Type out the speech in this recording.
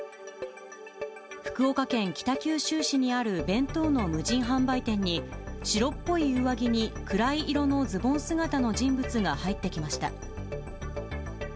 福岡県北九州市にある弁当の無人販売店に、白っぽい上着に暗い色のズボン姿の人物が入ってきました。